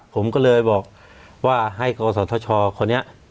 ผมก็เลยบอกว่าให้กศธชคนนี้